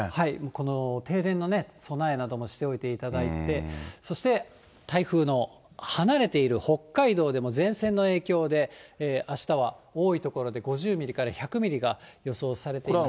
この停電の備えなどもしておいていただいて、そして、台風の離れている北海道でも前線の影響で、あしたは多い所で５０ミリから１００ミリが予想されています。